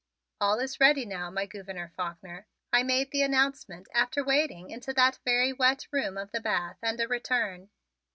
"All is ready now, my Gouverneur Faulkner," I made the announcement after a wading into that very wet room of the bath and a return.